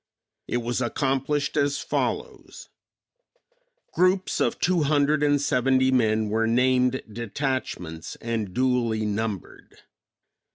It was accomplished as follows: Groups of two hundred and seventy men were named detachments and duly numbered.